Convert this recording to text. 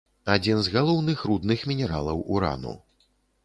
Адзін з галоўных рудных мінералаў урану.